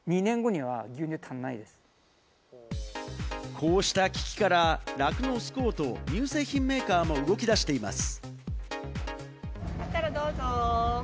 こうした危機から酪農を救おうと、乳製品メーカーも動き出しています。